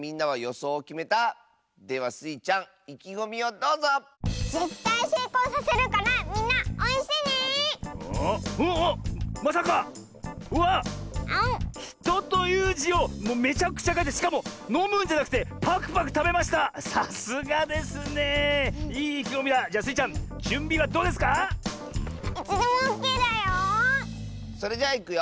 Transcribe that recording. それじゃあいくよ。